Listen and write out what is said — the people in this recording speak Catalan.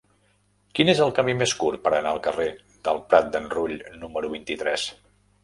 Quin és el camí més curt per anar al carrer del Prat d'en Rull número vint-i-tres?